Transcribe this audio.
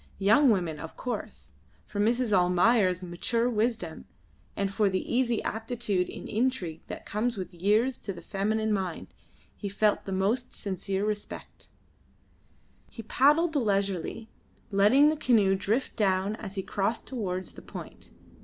Young women, of course. For Mrs. Almayer's mature wisdom, and for the easy aptitude in intrigue that comes with years to the feminine mind, he felt the most sincere respect. He paddled leisurely, letting the canoe drift down as he crossed towards the point.